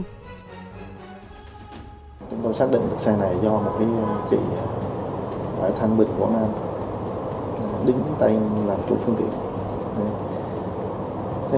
chúng tôi xác định được xe này do một chị ở thanh bình quảng nam đứng tay làm chủ phương tiện